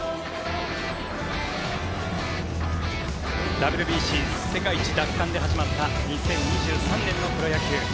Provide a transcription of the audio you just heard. ＷＢＣ世界一奪還で始まった２０２３年のプロ野球。